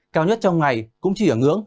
cao nhất trong ngày cũng chỉ ở ngưỡng